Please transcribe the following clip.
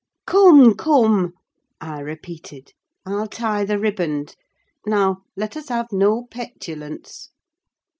"Come, come!" I repeated. "I'll tie the riband. Now, let us have no petulance.